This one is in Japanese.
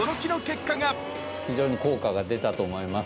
非常に効果が出たと思います。